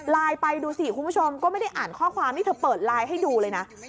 ไปดูสิคุณผู้ชมก็ไม่ได้อ่านข้อความนี่เธอเปิดไลน์ให้ดูเลยนะ